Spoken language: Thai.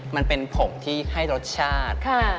มันเป็นผงที่ให้รสชาติ